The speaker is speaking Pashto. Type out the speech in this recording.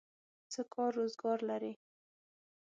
څه کار روزګار لرئ؟